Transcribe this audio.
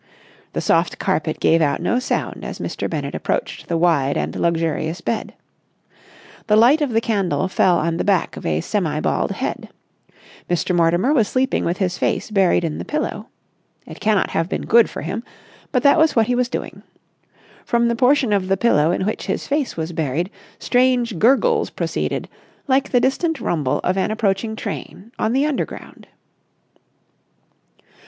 The soft carpet gave out no sound as Mr. Bennett approached the wide and luxurious bed. The light of the candle fell on the back of a semi bald head. Mr. Mortimer was sleeping with his face buried in the pillow. It cannot have been good for him, but that was what he was doing. From the portion of the pillow in which his face was buried strange gurgles proceeded, like the distant rumble of an approaching train on the Underground.